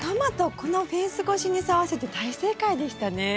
このフェンス越しに沿わせて大正解でしたね。